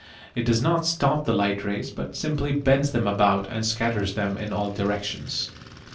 It does not stop the light rays, but simply bends them about and scatters them in all directions.